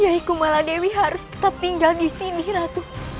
yaiku maladewi harus tetap tinggal disini ratu